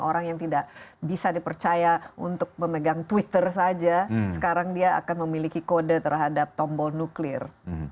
orang yang tidak bisa dipercaya untuk memegang twitter saja sekarang dia akan memiliki kode terhadap tombol nuklir